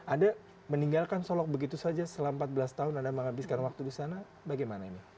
anda meninggalkan solok begitu saja selama empat belas tahun anda menghabiskan waktu di sana bagaimana ini